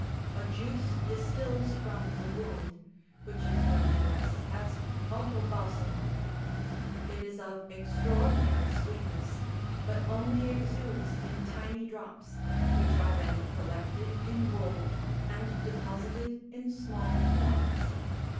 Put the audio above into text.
A juice distils from the wound, which is known to us as opobalsamum ; it is of extraordinary sweetness,70 but only exudes in tiny drops, which are then collected in wool, and deposited in small horns.